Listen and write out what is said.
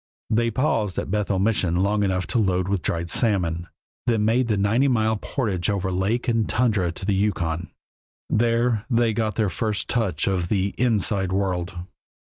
They paused at Bethel Mission long enough to load with dried salmon, then made the ninety mile portage over lake and tundra to the Yukon. There they got their first touch of the "inside" world.